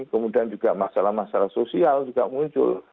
kemudian juga masalah masalah sosial juga muncul